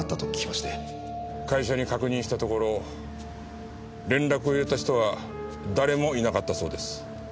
会社に確認したところ連絡を入れた人は誰もいなかったそうです。